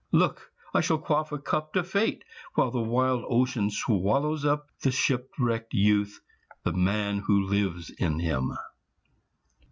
Look, I shall quaff a cup To Fate, while the wild ocean swallows up The shipwrecked youth, the man who lives in him."